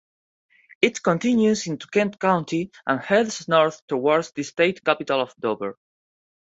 It continues into Kent County and heads north towards the state capital of Dover.